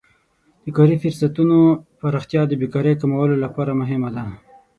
د کاري فرصتونو پراختیا د بیکارۍ کمولو لپاره مهمه ده.